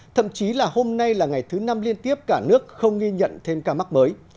thậm chí là hôm nay là ngày thứ năm liên tiếp cả nước không ghi nhận thêm ca mắc mới